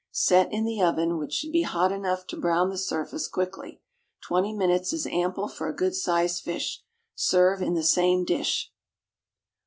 Set in the oven, which should be hot enough to brown the surface quickly. Twenty minutes is ample for a good sized fish. Serve in the same dish.